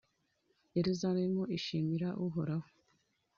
yeruzalemu ishimira uhoraho